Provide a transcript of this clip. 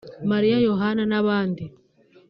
Mariya Yohana n’abandi